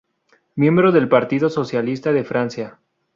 Miembro del Partido Socialista de Francia.